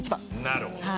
なるほど。